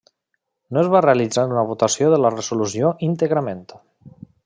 No es va realitzar una votació de la resolució íntegrament.